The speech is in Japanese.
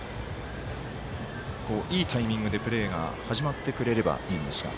いいタイミングでプレーが始まってくれればいいんですが。